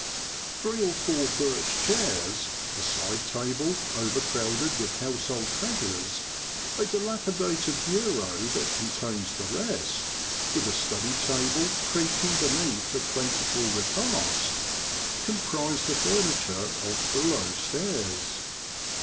Three or four birch chairs, a side table overcrowded with household treasures, a dilapidated bureau that contains the rest, with a sturdy table creaking beneath a plentiful repast, comprise the furniture of below stairs.